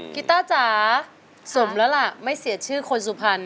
กีต้าจ๋าสมแล้วล่ะไม่เสียชื่อคนสุพรรณ